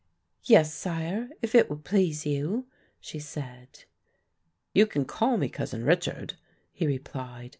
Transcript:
"Yes, sire, if it would please you," she said. "You can call me Cousin Richard," he replied.